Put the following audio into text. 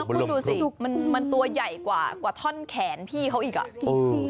คุณดูสิดูมันตัวใหญ่กว่าท่อนแขนพี่เขาอีกจริง